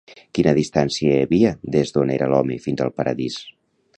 Quina distància hi havia des d'on era l'home fins al Paradís?